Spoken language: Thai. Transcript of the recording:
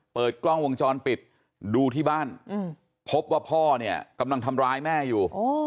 เปิดกล้องวงจรปิดดูที่บ้านพบว่าพ่อเนี่ยกำลังทำร้ายแม่อยู่